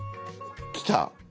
来た！